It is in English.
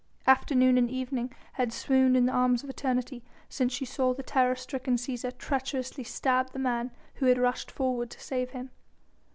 Afternoon and evening had swooned in the arms of eternity since she saw the terror stricken Cæsar treacherously stab the man who had rushed forward to save him.